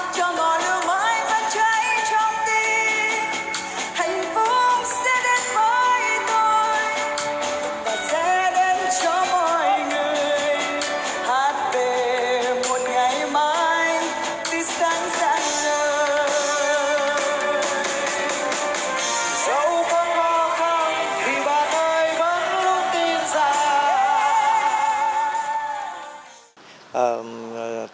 thì bà thầy vẫn luôn tin ra